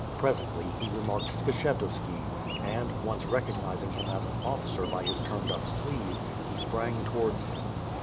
Presently, he remarked Skshetuski and, once recognizing him as an officer by his turned up sleeve, he sprang towards him.